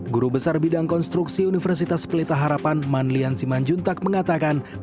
guru besar bidang konstruksi universitas pelita harapan manlian simanjuntak mengatakan